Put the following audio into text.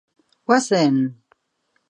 Goazen!